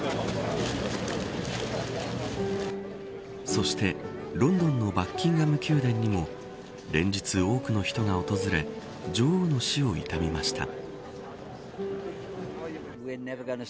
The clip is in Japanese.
そして、ロンドンのバッキンガム宮殿にも連日、多くの人が訪れ女王の死を悼みました。